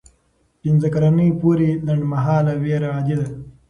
پنځه کلنۍ پورې لنډمهاله ویره عادي ده.